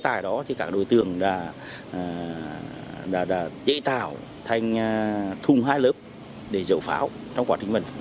tải đó thì các đối tượng đã chế tạo thành thùng hai lớp để dấu pháo